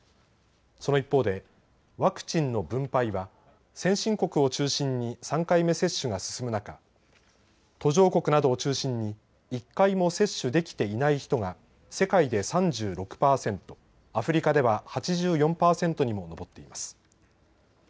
その一方でワクチンの分配は先進国を中心に３回目接種が進む中、途上国などを中心に１回も接種できていない人が世界で３６％、アフリカでは８４％にも上っています。